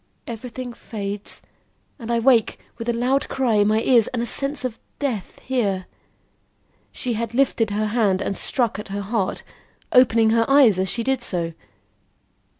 Everything fades, and I wake with a loud cry in my ears and a sense of death here." She had lifted her hand and struck at her heart, opening her eyes as she did so.